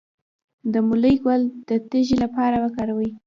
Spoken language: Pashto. د مولی ګل د تیږې لپاره وکاروئ